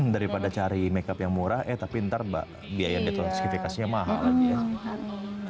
daripada cari makeup yang murah eh tapi ntar mbak biaya detokternya mahal